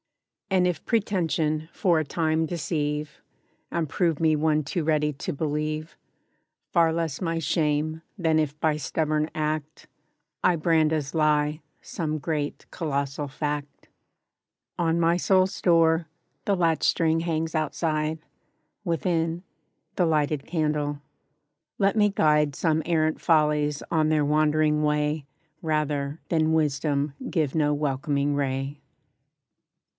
And if pretention for a time deceive, And prove me one too ready to believe, Far less my shame, than if by stubborn act, I brand as lie, some great colossal Fact. On my soul's door, the latch string hangs outside; Within, the lighted candle. Let me guide Some errant follies, on their wandering way, Rather, than Wisdom give no welcoming ray.